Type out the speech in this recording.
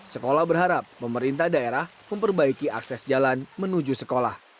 sekolah berharap pemerintah daerah memperbaiki akses jalan menuju sekolah